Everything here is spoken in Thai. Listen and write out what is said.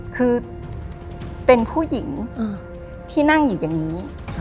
คือเป็นผู้หญิงที่นั่งอยู่อย่างนี้